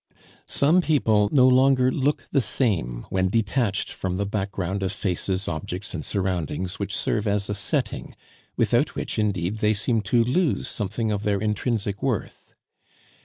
Some people no longer look the same when detached from the background of faces, objects, and surroundings which serve as a setting, without which, indeed, they seem to lose something of their intrinsic worth.